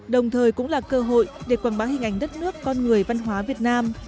đồng thời cũng là cơ hội để quảng bá hình ảnh đất nước con người văn hóa việt nam